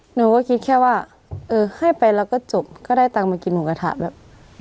หนูก็คิดแค่ว่าเออให้ไปแล้วก็จบก็ได้ตังค์มากินหมูกระทะแบบ